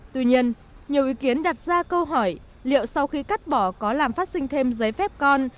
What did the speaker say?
tuy nhiên nhiều ý kiến đặt ra câu hỏi liệu sau khi cắt bỏ có làm phát sinh thêm giấy phép con